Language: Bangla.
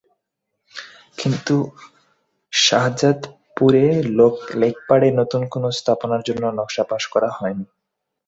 কিন্তু শাহজাদপুরে লেকপাড়ে নতুন কোনো স্থাপনার জন্য নকশা পাস করা হয়নি।